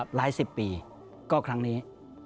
หลายสิบปีก็ครั้งนี้